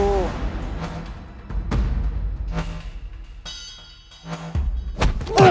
tidak ada apa apa